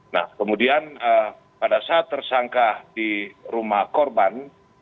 nah kemudian pada saat tersangka di rumah korban